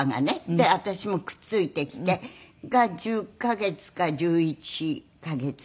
で私もくっ付いてきてが１０カ月か１１カ月生まれて。